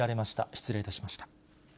失礼いたしました。